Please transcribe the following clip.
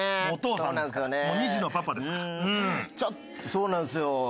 そうなんですよ。